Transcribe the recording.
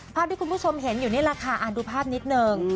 ภาพที่คุณผู้ชมเห็นอยู่นี่แหละค่ะอ่านดูภาพนิดนึง